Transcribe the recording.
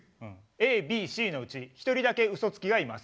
ＡＢＣのうち１人だけウソつきがいます。